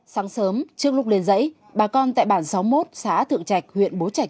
sáng sớm trước lúc lên dãy bà con tại bản sáu mươi một xã thượng trạch huyện bố trạch